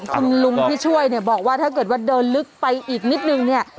คุณลุงที่ช่วยเนี่ยบอกว่าถ้าเกิดว่าเดินลึกไปอีกนิดนึงเนี่ย